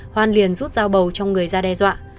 hoan liền rút dao bầu trong người ra đe dọa